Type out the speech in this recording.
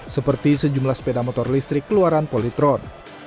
seperti sejumlah sepeda motor listrik keluaran polytron